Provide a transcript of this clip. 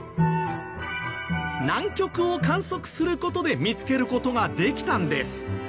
南極を観測する事で見つける事ができたんです。